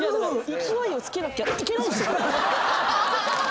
勢いを付けなきゃいけないんですよ。